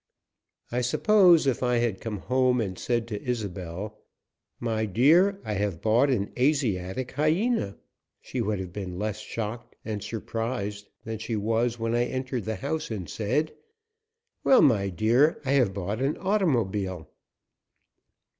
I suppose if I had come home and said to Isobel: "My dear, I have bought an Asiatic hyena," she would have been less shocked and surprised than she was when I entered the house and said: "Well, my dear, I have bought an automobile."